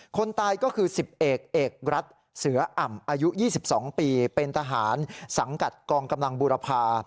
คนตายก็คือ๑๐เอกเอกรัฐเสืออ่ำอายุ๒๒ปีเป็นทหารสังกัดกองกำลังบูรพา